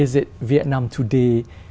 về việt nam hôm nay